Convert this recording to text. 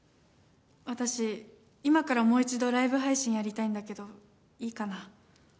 私今からもう一度ライブ配信やりたいんだけどいいかな？